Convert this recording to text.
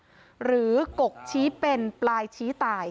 เป็นพระรูปนี้เหมือนเคี้ยวเหมือนกำลังทำปากขมิบท่องกระถาอะไรสักอย่าง